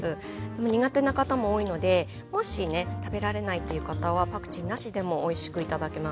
苦手な方も多いのでもしね食べられないっていう方はパクチーなしでもおいしく頂けます。